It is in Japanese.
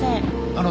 あの。